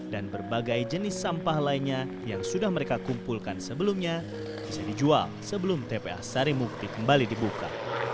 dan berbagai jenis sampah lainnya yang sudah mereka kumpulkan sebelumnya bisa dijual sebelum tpa sari mukti kembali dibuka